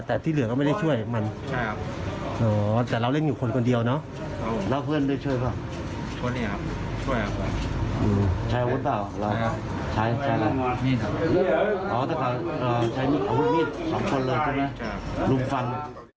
ใช้อาวุธเปล่าใช้อะไรอ๋อใช้อาวุธมีด๒คนเลยใช่ไหมลุมฟัง